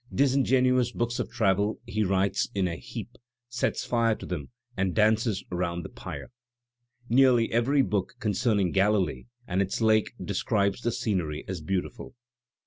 * Disingenuous books of travel he piles in a heap» sets fire to them and dances round the pyre. "Nearly every book concerning Galilee and its lake de scribes the scenery as beautiful.